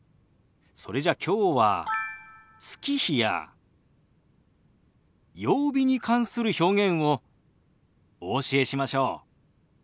それじゃきょうは月日や曜日に関する表現をお教えしましょう。